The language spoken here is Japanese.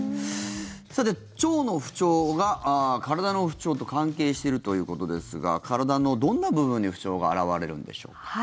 さて、腸の不調が体の不調と関係しているということですが体のどんな部分に不調が表れるのでしょうか。